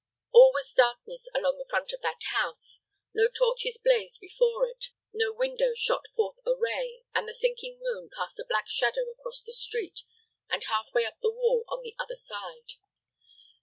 All was darkness along the front of that house. No torches blazed before it; no window shot forth a ray; and the sinking moon cast a black shadow across the street, and half way up the wall on the other side.